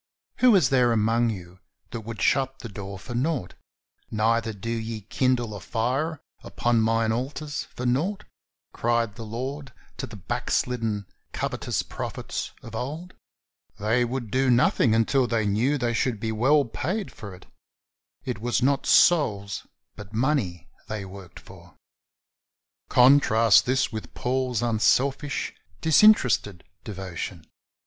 "Who is there among you that would shut the door for nought? neither do ye kindle a fire upon mine altars for nought," cried the Lord to the backslidden, covetous prophets of old. They would do nothing until they knew they should be well paid for it. It was not souls, but money, they worked for. Contrast with this Paul's unselfish, disinterested devotion.